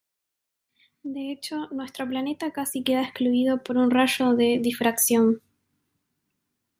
De hecho, nuestro planeta casi queda excluido por un rayo de difracción.